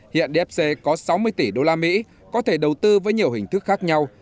hiện dfc có sáu mươi tỷ đô la mỹ có thể đầu tư với nhiều hình thức khác nhau